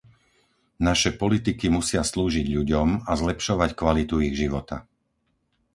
Naše politiky musia slúžiť ľuďom a zlepšovať kvalitu ich života.